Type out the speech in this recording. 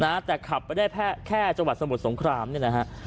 นะแต่ขับไปได้แค่แค่จังหวัดสมุทรสงครามเนี่ยนะฮะ